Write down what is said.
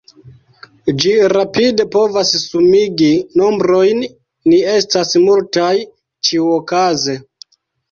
Ĝi rapide povas sumigi nombrojn, ni estas multaj, ĉiuokaze.